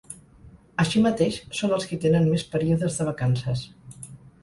Així mateix, són els qui tenen més períodes de vacances.